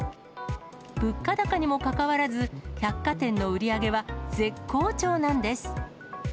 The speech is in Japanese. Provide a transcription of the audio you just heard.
物価高にもかかわらず、百貨店の売り上げは絶好調なんです。